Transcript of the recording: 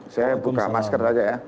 saya buka masker saja ya